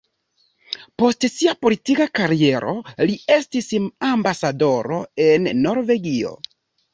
Post sia politika kariero li estis ambasadoro en Norvegio.